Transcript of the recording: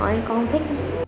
con không thích